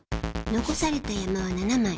残された山は７枚。